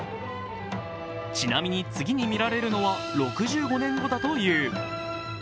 ちなみに次に見られるのは６５年後だという。